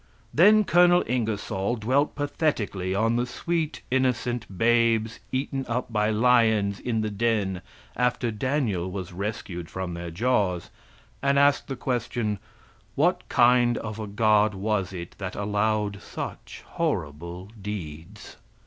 (Then Colonel Ingersoll dwelt pathetically on the sweet, innocent babes eaten up by the lions in the den, after Daniel was rescued from their jaws, and asked the question, what kind of a god was it that allowed such horrible deeds?)